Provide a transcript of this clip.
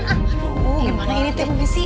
aduh gimana ini timnya sih